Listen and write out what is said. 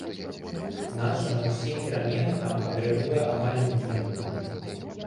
Наша на ўсе перамены там адрэагуе амаль імгненна.